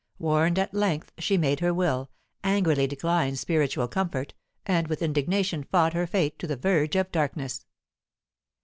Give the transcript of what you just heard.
Warned at length, she made her will, angrily declined spiritual comfort, and with indignation fought her fate to the verge of darkness.